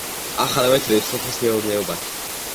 ახალ მეთოდებს სოფლის მეურნეობაში.